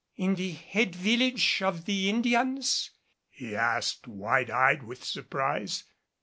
"In the head village of the Indians?" he asked wide eyed with surprise.